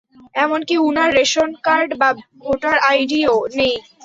এমনকি উনার ration card বা ভোটার আইডিও নেই।